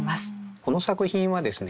この作品はですね